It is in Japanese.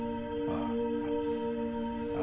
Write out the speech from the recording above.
ああ。